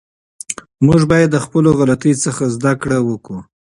موږ باید د خپلو غلطیو څخه زده کړه وکړو.